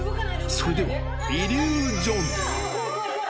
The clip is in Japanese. それではイリュージョン。